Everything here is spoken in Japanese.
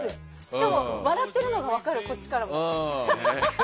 しかも、笑っているのが分かるこっちからも。